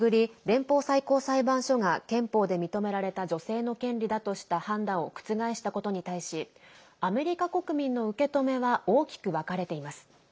連邦最高裁判所が憲法で認められた女性の権利だとした判断を覆したことに対しアメリカ国民の受け止めは大きく分かれています。